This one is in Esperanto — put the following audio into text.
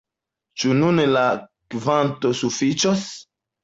Ĉu nun la kvanto sufiĉos?